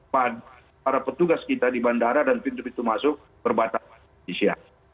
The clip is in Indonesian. para petugas kita di bandara dan pintu pintu masuk berbatas di indonesia